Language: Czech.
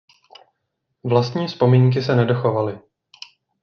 Vlastní vzpomínky se nedochovaly.